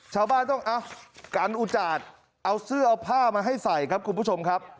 ชาวบ้านต้องเอากันอุจาดเอาเสื้อเอาผ้ามาให้ใส่ครับคุณผู้ชมครับ